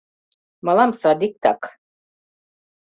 Мылам садиктак.